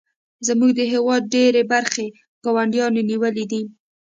زموږ د هیواد ډیرې برخې ګاونډیانو نیولې دي